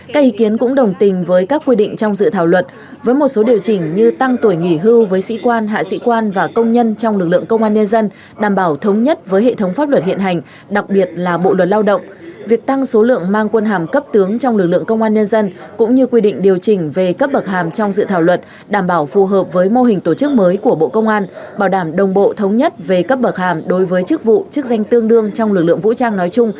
các ý kiến cũng đồng tình với các quy định trong dự thảo luật với một số điều chỉnh như tăng tuổi nghỉ hưu với sĩ quan hạ sĩ quan và công nhân trong lực lượng công an nhân dân đảm bảo thống nhất với hệ thống pháp luật hiện hành đặc biệt là bộ luật lao động việc tăng số lượng mang quân hàm cấp tướng trong lực lượng công an nhân dân cũng như quy định điều chỉnh về cấp bậc hàm trong dự thảo luật đảm bảo phù hợp với mô hình tổ chức mới của bộ công an bảo đảm đồng bộ thống nhất về cấp bậc hàm đối với chức vụ chức danh tương đương trong lực lượng vũ